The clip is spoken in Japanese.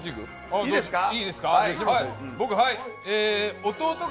いいですか。